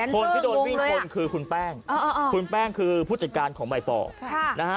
คนที่โดนวิ่งชนคือคุณแป้งคุณแป้งคือผู้จัดการของใบปอนะฮะ